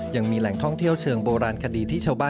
ยังมีแหล่งท่องเที่ยวเชิงโบราณคดี